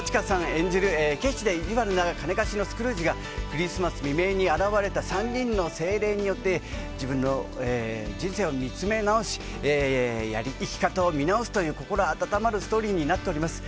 演じるケチでいじわるな金貸しのスクルージがクリスマス未明に現れた３人の精霊によって自分の人生を見つめなおし生き方を見直すという心温まるストーリーになっています。